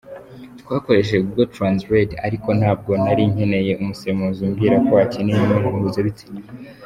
Twakoresheje Google Translate ariko ntabwo nari nkeneye umusemuzi umbwira ko akeneye imibonano mpuzabitsina.